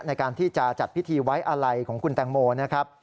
ในการที่จะจัดพิธีไว้อาลัยของคุณแตงโมนะครับ